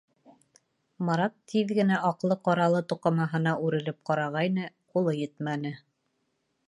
Марат тиҙ генә аҡлы-ҡаралы туҡымаһына үрелеп ҡарағайны, ҡулы етмәне.